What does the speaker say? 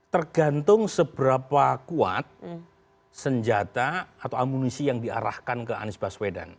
tergantung seberapa kuat senjata atau amunisi yang diarahkan ke anies baswedan